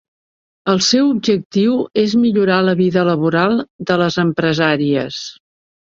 El seu objectiu és millorar la vida laboral de les empresàries.